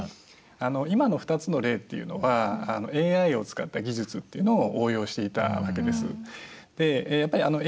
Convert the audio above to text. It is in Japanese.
今の２つの例っていうのはＡＩを使った技術っていうのを応用していたわけです。